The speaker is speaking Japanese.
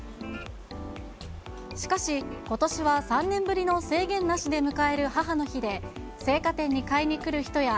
しかし、ことしは３年ぶりの制限なしで迎える母の日で、生花店に買いに来る人や、